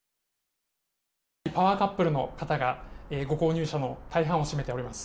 パワーカップルの方が、ご購入者の大半を占めております。